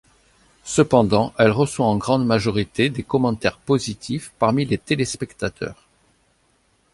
Cependant, elle reçoit en grande majorité des commentaires positifs parmi les téléspectateurs.